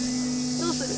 どうする？